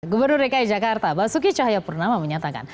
gubernur dki jakarta basuki cahayapurnama menyatakan